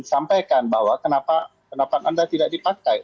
diterima pendapat anda kami pakai